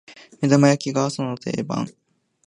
目玉焼きが朝の定番